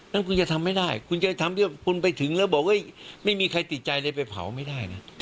งั้นคุณจะทำไม่ได้คุณจะทำเพื่อคุณไปถึงแล้วบอกไม่มีใครติดใจเลยไปเผาไม่ได้นะ